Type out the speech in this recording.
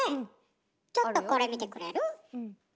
ちょっとこれ見てくれる？